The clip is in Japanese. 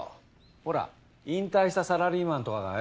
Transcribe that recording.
ほら引退したサラリーマンとかがよ